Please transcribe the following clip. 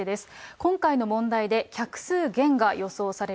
今回の問題で客数減が予想される。